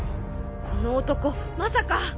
この男まさか！